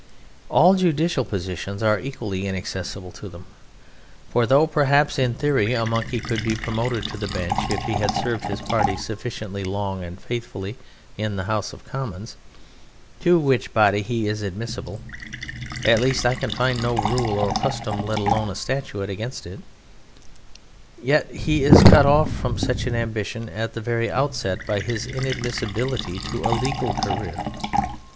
All judicial positions are equally inaccessible to them; for though, perhaps, in theory a Monkey could be promoted to the Bench if he had served his party sufficiently long and faithfully in the House of Commons (to which body he is admissible at least I can find no rule or custom, let alone a statute, against it), yet he is cut off from such an ambition at the very outset by his inadmissibility to a legal career.